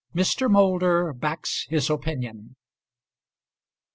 MR. MOULDER BACKS HIS OPINION.